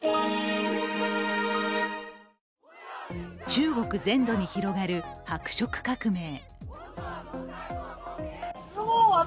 中国全土に広がる白色革命。